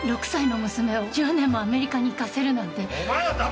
６歳の娘を１０年もアメリカに行かせるなんて。